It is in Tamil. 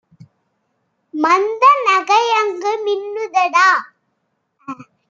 மந்த நகையங்கு மின்னுதடா!